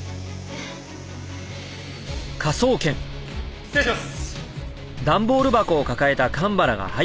失礼します！